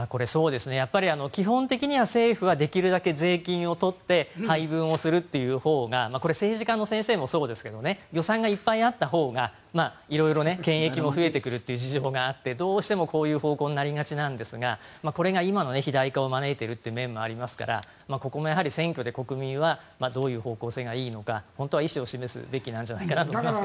基本的には政府はできるだけ税金を取って配分をするというほうが政治家の先生もそうですが予算がいっぱいあったほうが色々権益も増えてくる事情があってどうしてもこういう方向になりがちなんですがこれが今の肥大化を招いているという面もありますからここも選挙で、国民はどういう方向性がいいのか本当は意思を示すべきなんじゃないかなと思います。